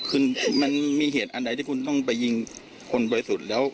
คือมันมีเหตุใจใดที่คุณต้องไปยิงคนวัยสุดแล้ว